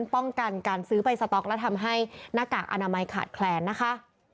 ป้องกันการซื้อใบสต๊อกและทำให้หน้ากากอนามัยขาดแคลนนะคะ